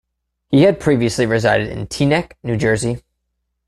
He had previously resided in Teaneck, New Jersey.